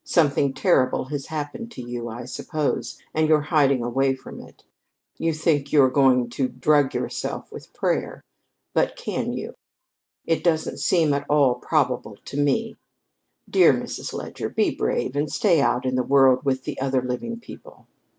"Something terrible has happened to you, I suppose, and you're hiding away from it. You think you're going to drug yourself with prayer. But can you? It doesn't seem at all probable to me. Dear Mrs. Leger, be brave and stay out in the world with the other living people."